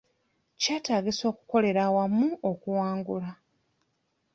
Kyetaagisa okukolera awamu okuwangula